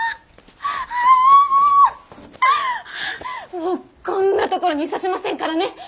もうこんなところにいさせませんからね。